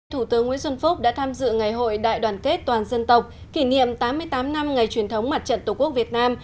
thủ tướng nguyễn xuân phúc đã tham dự ngày hội đại đoàn kết toàn dân tộc kỷ niệm tám mươi tám năm ngày truyền thống mặt trận tổ quốc việt nam